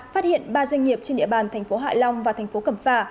phát hiện ba doanh nghiệp trên địa bàn thành phố hạ long và thành phố cẩm phả